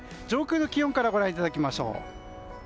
上空の気温からご覧いただきましょう。